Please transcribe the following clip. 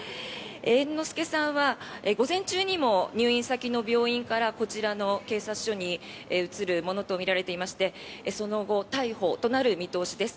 猿之助さんは午前中にも入院先の病院からこちらの警察署に移るものとみられていましてその後、逮捕となる見通しです。